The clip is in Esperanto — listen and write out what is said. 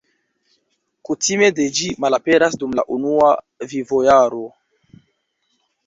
Kutime ĝi malaperas dum la unua vivojaro.